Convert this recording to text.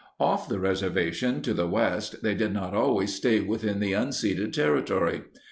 Off the reservation to the west, they did not always stay within the unceded terri tory.